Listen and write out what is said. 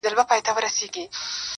دې تورو سترګو ته دي وایه-